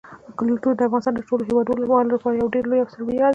کلتور د افغانستان د ټولو هیوادوالو لپاره یو ډېر لوی او ستر ویاړ دی.